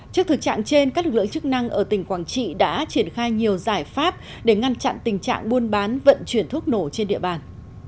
trước thực trạng trên các lực lượng chức năng ở tỉnh quảng trị đã triển khai nhiều giải pháp để ngăn chặn tình trạng buôn bán vận chuyển thuốc nổ trên địa bàn